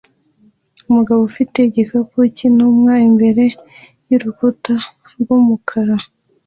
Umugabo ufite igikapu cyintumwa imbere yurukuta rwumukara